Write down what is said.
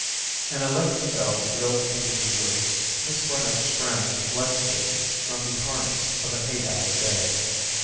An electric bell grilled through his words. Miss Barnet sprang reflexly from the harness of an eight hour day.